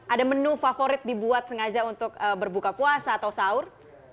ada menu favorit dibuat sengaja untuk berbuka puasa atau sahur